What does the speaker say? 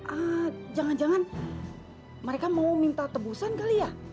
ah jangan jangan mereka mau minta tebusan kali ya